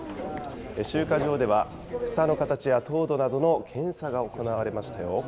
集荷場では、房の形や糖度などの検査が行われましたよ。